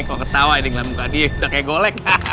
kok ketawa dengan muka dia udah kayak golek